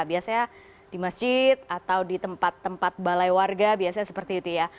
biasanya di masjid atau di tempat tempat balai warga biasanya seperti itu ya